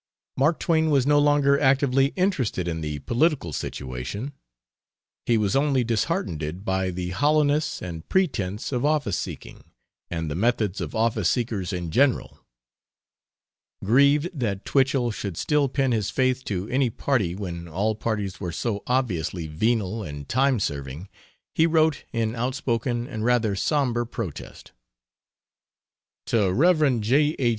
Mark Twain was no longer actively interested in the political situation; he was only disheartened by the hollowness and pretense of office seeking, and the methods of office seekers in general. Grieved that Twichell should still pin his faith to any party when all parties were so obviously venal and time serving, he wrote in outspoken and rather somber protest. To Rev. J. H.